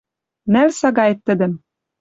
Нӓл сагаэт тӹдӹм